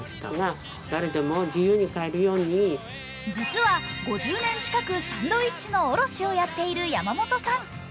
実は５０年近くサンドウィッチの卸をやっている山本さん。